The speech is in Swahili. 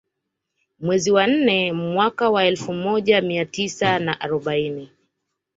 Mwezi wa nne mwaka wa elfu moja mia tisa na arobaini